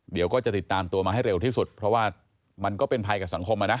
เดี๋ยวก็จะติดตามตัวมาให้เร็วที่สุดเพราะว่ามันก็เป็นภัยกับสังคมอ่ะนะ